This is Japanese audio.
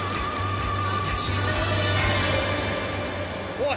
おい！